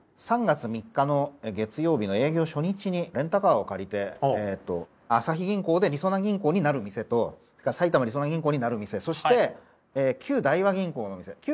３月３日の月曜日の営業初日にレンタカーを借りてあさひ銀行でりそな銀行になる店と埼玉りそな銀行になる店そして旧大和銀行の店。